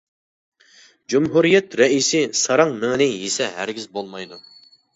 جۇمھۇرىيەت رەئىسى ساراڭ مېڭىنى يېسە ھەرگىز بولمايدۇ.